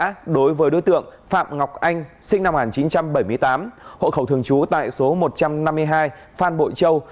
truy nã đối với đối tượng phạm ngọc anh sinh năm một nghìn chín trăm bảy mươi tám hộ khẩu thường trú tại số một trăm năm mươi hai phan bội châu